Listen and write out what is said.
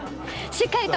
しっかりと！